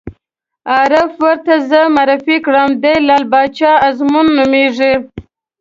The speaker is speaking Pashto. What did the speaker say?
عارف ور ته زه معرفي کړم: دی لعل باچا ازمون نومېږي.